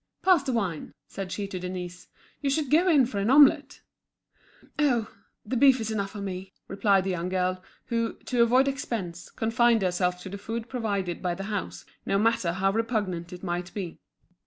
"Pass the wine," said she to Denise. "You should go in for an omelet." "Oh! the beef is enough for me," replied the young girl, who, to avoid expense, confined herself to the food provided by the house, no matter how repugnant it might be.